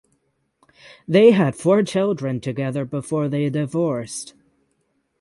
They had four children together before they divorced.